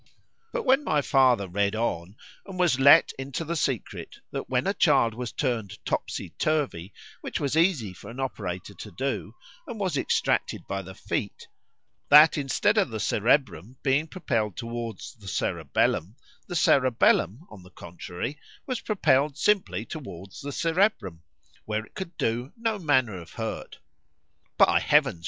But when my father read on, and was let into the secret, that when a child was turned topsy turvy, which was easy for an operator to do, and was extracted by the feet;—that instead of the cerebrum being propelled towards the cerebellum, the cerebellum, on the contrary, was propelled simply towards the cerebrum, where it could do no manner of hurt:——By heavens!